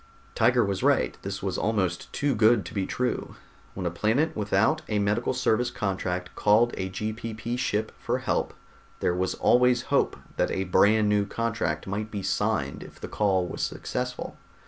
Tiger was right; this was almost too good to be true. When a planet without a medical service contract called a GPP Ship for help, there was always hope that a brand new contract might be signed if the call was successful.